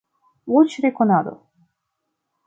Voĉrekonado